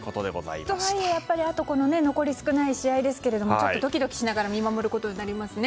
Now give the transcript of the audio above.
やっぱり残り少ない試合ですがちょっとドキドキしながら見守ることになりますね。